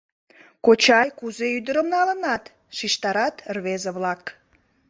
— Кочай, кузе ӱдырым налынат? — шижтарат рвезе-влак.